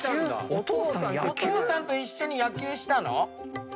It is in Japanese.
お父さんと一緒に野球したの？